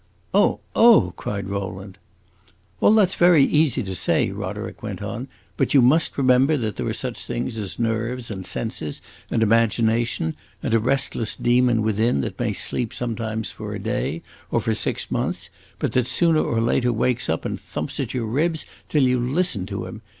"Oh, oh!" cried Rowland. "All that 's very easy to say," Roderick went on; "but you must remember that there are such things as nerves, and senses, and imagination, and a restless demon within that may sleep sometimes for a day, or for six months, but that sooner or later wakes up and thumps at your ribs till you listen to him!